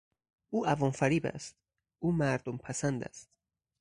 او عوام فریب است، او مردم پسند است.